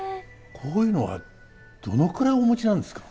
こういうのはどのくらいお持ちなんですか？